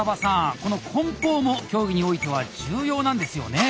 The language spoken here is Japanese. この梱包も競技においては重要なんですよね？